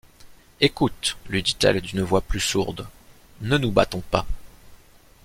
Écoute, lui dit-elle d’une voix plus sourde, ne nous battons pas...